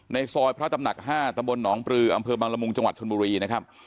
ซอยพระตำหนัก๕ตำบลหนองปลืออำเภอบังละมุงจังหวัดชนบุรีนะครับ